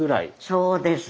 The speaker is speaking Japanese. そうです。